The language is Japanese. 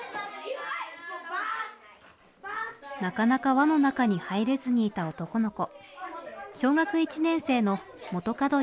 なかなか輪の中に入れずにいた男の子。